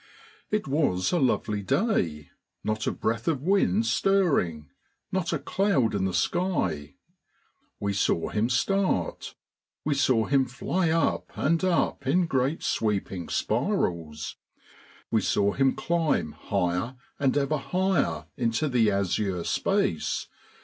It was a lovely day, not a breath of wind stirring, not a cloud in the sky. We saw him start. We saw him fly up and up in great sweeping spirals. We saw him climb higher and ever higher into the azure space.